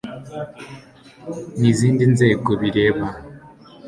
n izindi nzego bireba